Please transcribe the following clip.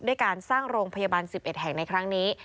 ด้วยการสร้างโรงพยาบาล๑๑แห่งในครั้งนี้